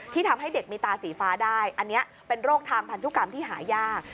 ทำให้เด็กมีตาสีฟ้าได้อันนี้เป็นโรคทางพันธุกรรมที่หายาก